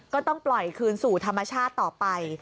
ก็ต้องปล่อยคืนสู่ธรรมชาติต่อไป